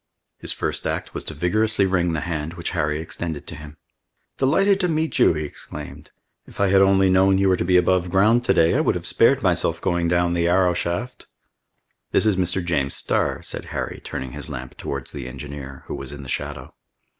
His first act was to vigorously wring the hand which Harry extended to him. "Delighted to meet you!" he exclaimed. "If I had only known you were to be above ground to day, I would have spared myself going down the Yarrow shaft!" "This is Mr. James Starr," said Harry, turning his lamp towards the engineer, who was in the shadow.